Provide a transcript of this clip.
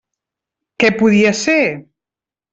Què podia ser?